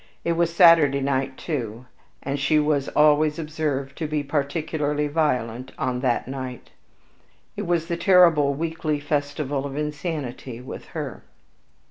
It was Saturday night too, and she was always observed to be particularly violent on that night, it was the terrible weekly festival of insanity with her.